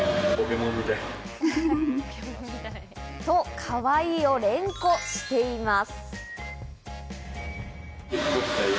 かわいい！を連呼しています。